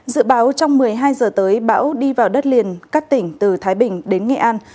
dự báo trong một mươi hai giờ tới bão đi vào đất liền các tỉnh từ thái bình đến nghệ an